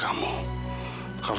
kalau saya bukan bapaknya rizky